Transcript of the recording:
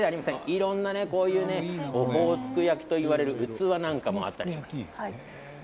いろんなものオホーツク焼と呼ばれる器なんかもあったりします。